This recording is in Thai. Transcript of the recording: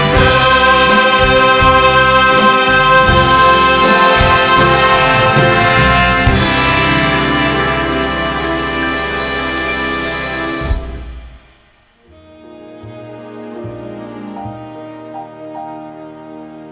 โปรดติดตามตอนต่อไป